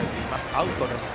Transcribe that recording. アウトです。